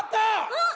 あっ！